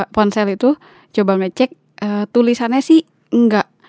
ponsel itu coba ngecek tulisannya sih enggak